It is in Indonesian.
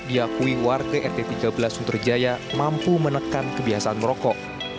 diakui warga rt tiga belas sunterjaya mampu menekan kebiasaan merokok